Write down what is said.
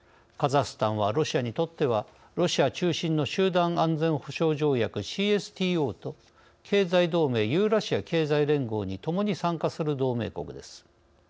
カザフスタンはロシアにとってはロシア中心の集団安全保障条約機構ＣＳＴＯと経済同盟ユーラシア経済連合にともに参加する同盟国です。